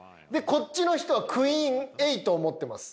こっちの人はクイーン８を持ってます。